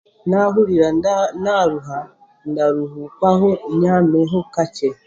Naahurira nda naaruha, ndaruhuuka nyaameho kakye